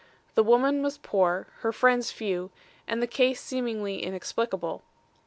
The woman was poor, her friends few, and the case seemingly inexplicable.